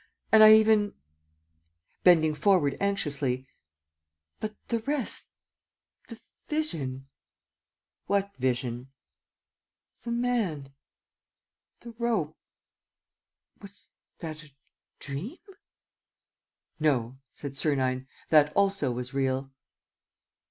. and I even ..." Bending forward anxiously, "But the rest, the vision ..." "What vision?" "The man ... the rope ... was that a dream? ..." "No," said Sernine. "That also was real."